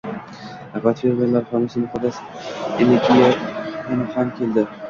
Nihoyat, fermerlar homiysi Muqaddas Eligiya kuni ham keldi